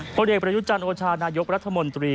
ผลเอกประยุจันทร์โอชานายกรัฐมนตรี